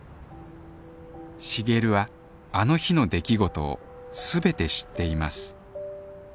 重流はあの日の出来事をすべて知っています